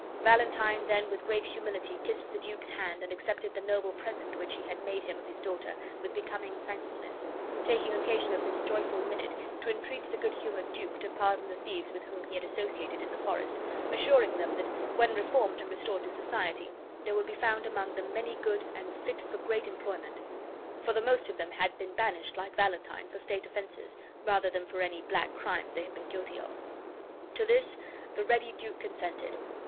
Valentine then with great humility kissed the duke's hand and accepted the noble present which he had made him of his daughter with becoming thankfulness, taking occasion of this joyful minute to entreat the good humored duke to pardon the thieves with whom he had associated in the forest, assuring him that when reformed and restored to society there would be found among them many good, and fit for great employment; for the most of them had been banished, like Valentine, for state offenses, rather than for any black crimes they had been guilty of. To this the' ready duke consented.